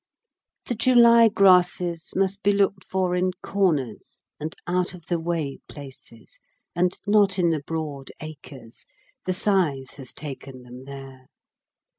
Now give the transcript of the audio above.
The July grasses must be looked for in corners and out of the way places, and not in the broad acres the scythe has taken them there.